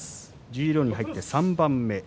十両に入って３番目。